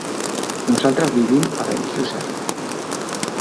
Nosaltres vivim a Benejússer.